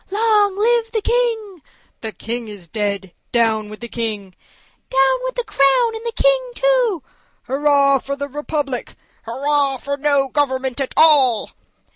"Long live the king!" "The king is dead down with the king!" "Down with the crown, and the king too!" "Hurrah for the republic!" "Hurrah for no government at all!"